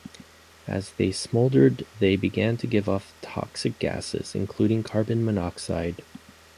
As they smouldered they began to give off toxic gases, including carbon monoxide.